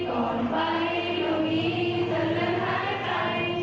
ความรักที่เรานึกมีด้วยบอกกัน